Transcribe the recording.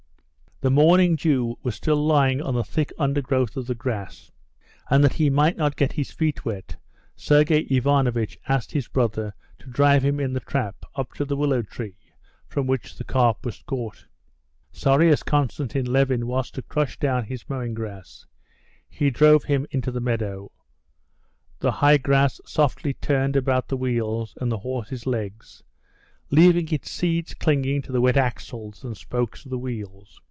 The morning dew was still lying on the thick undergrowth of the grass, and that he might not get his feet wet, Sergey Ivanovitch asked his brother to drive him in the trap up to the willow tree from which the carp was caught. Sorry as Konstantin Levin was to crush down his mowing grass, he drove him into the meadow. The high grass softly turned about the wheels and the horse's legs, leaving its seeds clinging to the wet axles and spokes of the wheels.